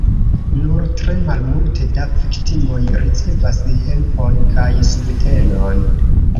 Nur tre malmulte da viktimoj ricevas helpon kaj subtenon.